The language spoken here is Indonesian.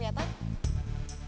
kita harus mencari dia